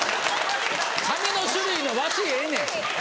紙の種類の和紙ええねん。